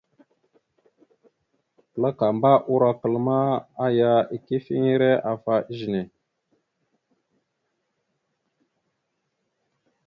Klakamba urokal ma, aya ikefiŋire afa ezine.